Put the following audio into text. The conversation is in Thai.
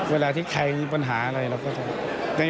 เวลาที่ใครมีปัญหาอะไรเราก็จะ